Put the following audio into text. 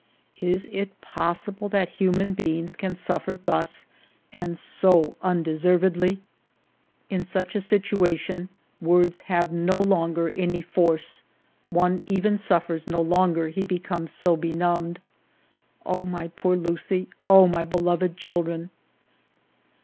Is it possible that human beings can suffer thus, and so undeservedly ? In such a situation words have no longer any force ; one even suffers no longer, he becomes so benumbed. Oh, my poor Lucie, oh, my beloved children